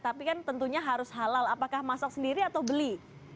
tapi kan tentunya harus halal apakah masak sendiri atau beli